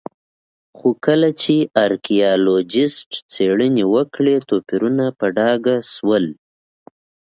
خو کله چې ارکيالوجېسټ څېړنې وکړې توپیرونه په ډاګه شول